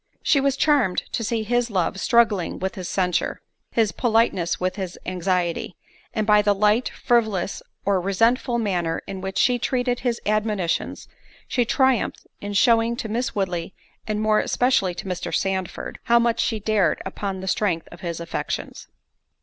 She was charmed to see his love struggling with his censure—his politeness with his anxiety—and by the light, frivolous, or resentful manner in which she treated his admonitions, she triumphed in shewing to Miss Woodley, and, more especially to Mr. Sandford, how much she dared upon the strength of his affections.